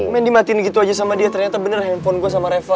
main dimatiin gitu aja sama dia ternyata bener handphone gue sama reva